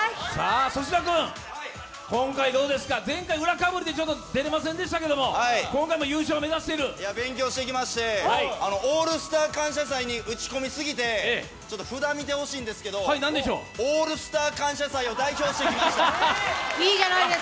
粗品君、前回裏かぶりで出れませんでしたけど勉強してきまして、「オールスター感謝祭」に打ち込み過ぎて札見てほしいんですけれども「オールスター感謝祭」を代表して来ました。